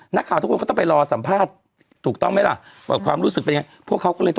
นักข่าวทุกคนก็ต้องไปรอสัมภาษณ์ถูกต้องไหมล่ะว่าความรู้สึกเป็นยังไงพวกเขาก็เลยต้อง